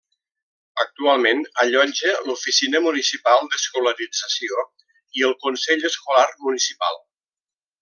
Actualment allotja l'Oficina Municipal d'Escolarització i el Consell Escolar Municipal.